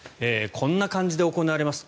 こんな感じで行われます。